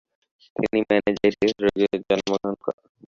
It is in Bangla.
তিনি ম্যানেনজাইটিস রোগে মারা যান ।